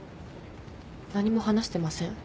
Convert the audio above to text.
何も話してません。